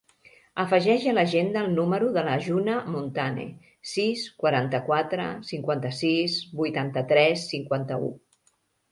Afegeix a l'agenda el número de la Juna Montane: sis, quaranta-quatre, cinquanta-sis, vuitanta-tres, cinquanta-u.